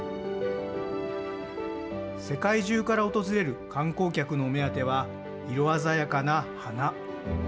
世界中から訪れる観光客のお目当ては色鮮やかな花。